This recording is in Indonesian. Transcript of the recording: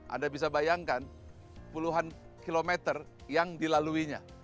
anda bisa bayangkan puluhan kilometer yang dilaluinya